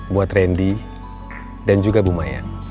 buat randy dan juga bu maya